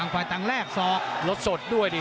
ขวายตังแรกสอกลดสดด้วยดิ